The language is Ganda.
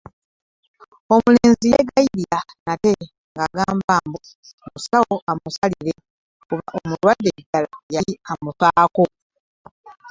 Omulenzi yeegayirira nate ng'agamba mbu omusawo amusaasire kuba omulwadde ddala yali amufaako.